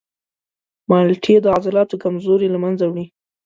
مالټې د عضلاتو کمزوري له منځه وړي.